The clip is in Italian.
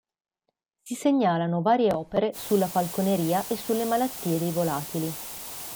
Si segnalano varie opere sulla falconeria e sulle malattie dei volatili.